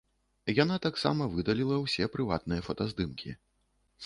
Яна таксама выдаліла ўсе прыватныя фотаздымкі.